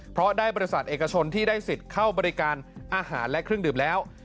เพราะได้บริษัทเอกชนที่ได้สิทธิ์เข้าบริการอาหารและเครื่องดื่มแล้ว